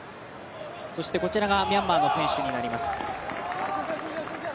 そして、こちらがミャンマーの選手になります。